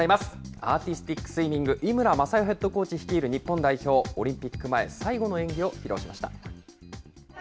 アーティスティックスイミング、井村雅代ヘッドコーチ率いる日本代表、オリンピック前、最後の演技を披露しました。